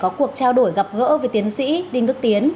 có cuộc trao đổi gặp gỡ với tiến sĩ đinh đức tiến